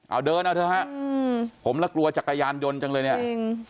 เอาเดินเอาเถอะฮะผมแล้วกลัวจักรยานยนต์จังเลยเนี่ยจริง